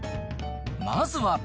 まずは。